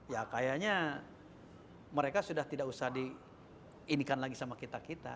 ya kayaknya mereka sudah tidak usah di inikan lagi sama kita kita